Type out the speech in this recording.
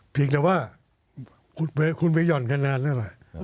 เพียงแต่ว่าคุณไม่หย่อนคะแนนนั่นแหละ